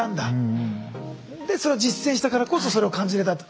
でそれを実践したからこそそれを感じれたと。